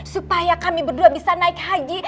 supaya kami berdua bisa naik haji